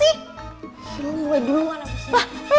kamu mulai duluan apa sih